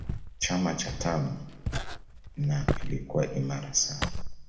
chama cha tanu na kilikuwa imara sana